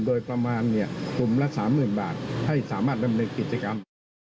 โดยประมาณกลุ่มละ๓๐๐๐บาทให้สามารถดำเนินกิจกรรม